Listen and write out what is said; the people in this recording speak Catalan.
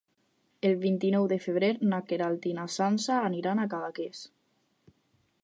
El vint-i-nou de febrer na Queralt i na Sança aniran a Cadaqués.